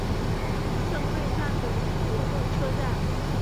胜瑞站的铁路车站。